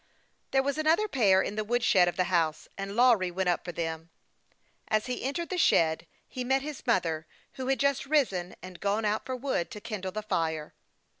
There was another pair in the wood shed of the house, and Lawry went up for them. As he entered the shed, he met his mother, who had just risen, and gone out for wood to kindle the fire.